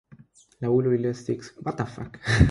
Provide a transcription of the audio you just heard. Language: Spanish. Le Boullay-les-Deux-Églises